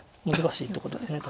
難しいとこです